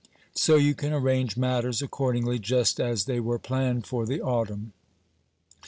So you can arrange matters accordingly, just as they were planned for the autumn.